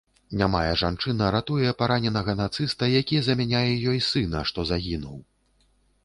Нямая жанчына ратуе параненага нацыста, які замяняе ёй сына, што загінуў.